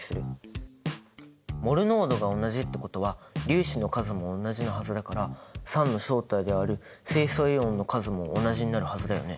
モル濃度が同じってことは粒子の数もおんなじなはずだから酸の正体である水素イオンの数も同じになるはずだよね？